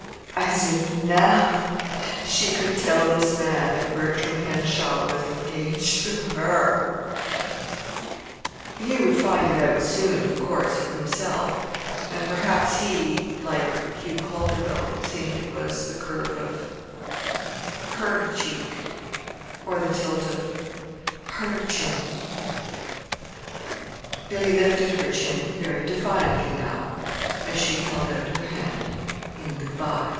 As if now she could tell this man that Bertram Henshaw was engaged to her! He would find it out soon, of course, for himself; and perhaps he, like Hugh Calderwell, would think it was the curve of her cheek, or the tilt of her chin Billy lifted her chin very defiantly now as she held out her hand in good by.